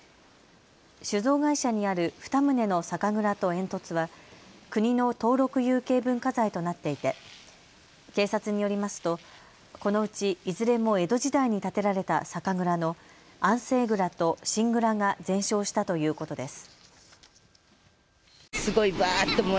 酒造会社にある２棟の酒蔵と煙突は国の登録有形文化財となっていて警察によりますとこのうちいずれも江戸時代に建てられた酒蔵の安政蔵と新蔵が全焼したということです。